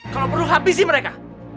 kalau perlu habisi mereka